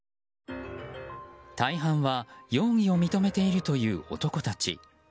大半は容疑を認めているという男たち。